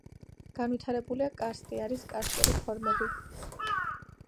განვითარებულია კარსტი, არის კარსტული ფორმები.